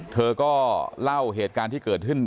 เธอก็เล่าเหตุการณ์ที่เกิดขึ้น